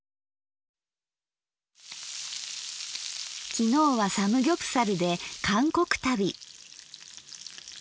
きのうはサムギョプサルで韓国旅。